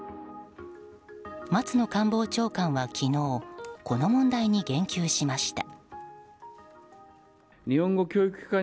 松野官房長官は昨日この問題に言及しました。